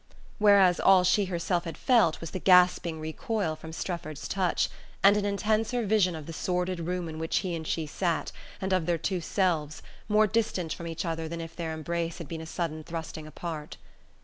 Whereas all she herself had felt was the gasping recoil from Strefford's touch, and an intenser vision of the sordid room in which he and she sat, and of their two selves, more distant from each other than if their embrace had been a sudden thrusting apart....